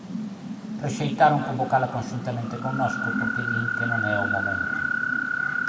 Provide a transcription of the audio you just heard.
Rexeitaron convocala conxuntamente connosco porque din que non é o momento.